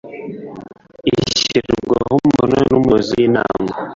ishyirwaho umukono n’umuyobozi w’inama